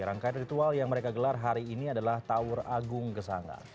rangkaian ritual yang mereka gelar hari ini adalah taur agung gesangga